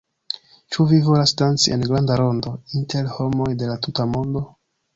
Ĉu vi volas danci en granda rondo, inter homoj de la tuta mondo?